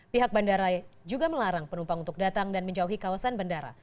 pihak bandara juga melarang penumpang untuk datang dan menjauhi kawasan bandara